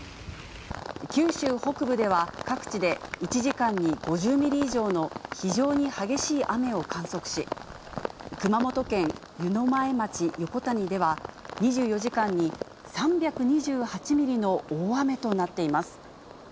九州北部では、各地で１時間に５０ミリ以上の非常に激しい雨を観測し、熊本県湯前町横谷では、２４時間に３２８ミリの大雨となっています。